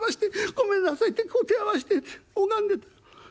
ごめんなさいってこう手ぇ合わして拝んでた。